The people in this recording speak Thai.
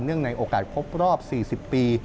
เนื่องในโอกาสพบรอบ๔๐ปี